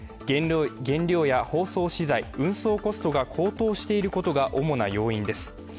原料や包装資材、運送コストが高騰していることが主な要因です。